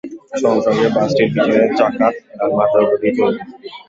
সঙ্গে সঙ্গে বাসটির পেছনের চাকা তাঁর মাথার ওপর দিয়ে চলে যায়।